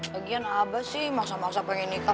lagian abah sih maksa maksa pengen nikah